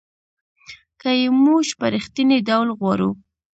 که یې موږ په رښتینې ډول غواړو .